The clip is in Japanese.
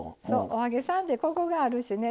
お揚げさんでコクがあるしね。